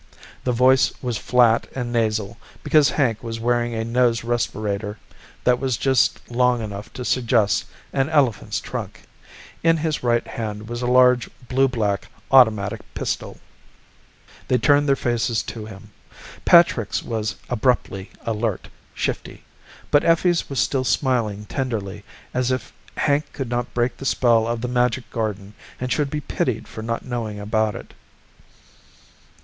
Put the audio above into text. The voice was flat and nasal because Hank was wearing a nose respirator that was just long enough to suggest an elephant's trunk. In his right hand was a large blue black automatic pistol. They turned their faces to him. Patrick's was abruptly alert, shifty. But Effie's was still smiling tenderly, as if Hank could not break the spell of the magic garden and should be pitied for not knowing about it.